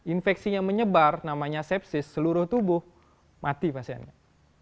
infeksinya menyebar namanya sepsis seluruh tubuh mati pasiennya